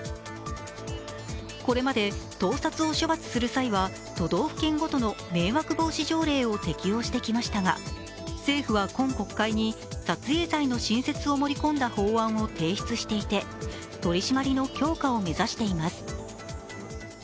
これまで盗撮を処罰する際は都道府県ごとの迷惑防止条例を適用してきましたが政府は今国会に撮影罪の新設を盛り込んだ法律を提出していて取り締まりの強化を目指しています。